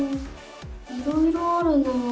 いろいろあるなあ。